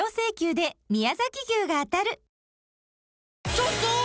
ちょっとー！